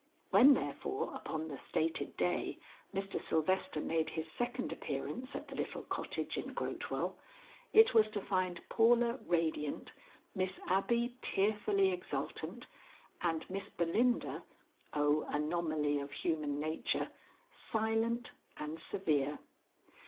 When therefore upon the stated day, Mr. Sylvester made his second appearance at the little cottage in Grotewell, it was to find Paula radiant, Miss Abby tearfully exultant and Miss Belinda O anomaly of human nature silent and severe.